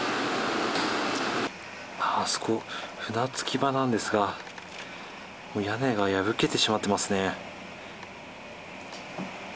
あそこ、船着き場なんですが、屋根が破けてしまってますね。